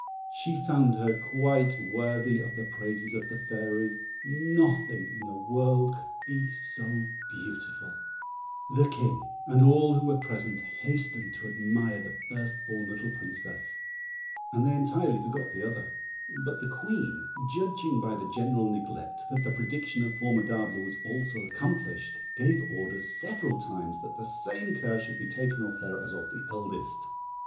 She found her quite worthy of the praises of the Fairy; nothing in the world could be so beautiful; the King and all who were present hastened to admire the first born little Princess, and they entirely forgot the other; but the Queen, judging by the general neglect, that the prediction of Formidable was also accomplished, gave orders several times that the same care should be taken of her as of the eldest.